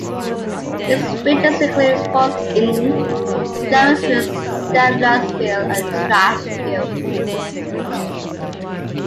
Its villages include Forest Inn, Jonesville, Stemlersville, and Trachsville.